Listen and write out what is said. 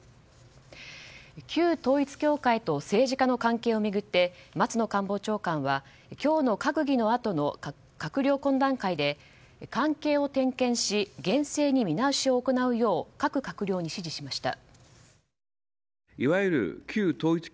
旧統一教会と政治家の関係を巡って松野官房長官は今日の閣議のあとの閣僚懇談会で関係を点検し厳正に見直しを行うよう各閣僚に指示しました。